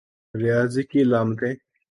ریاضی کی علامتیں